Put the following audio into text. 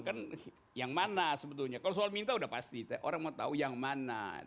kan yang mana sebetulnya kalau soal minta udah pasti orang mau tahu yang mana